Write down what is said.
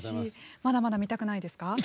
まだまだ見たくないですか。